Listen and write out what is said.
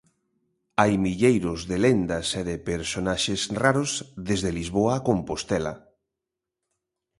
Hai milleiros de lendas e de personaxes raros desde Lisboa a Compostela.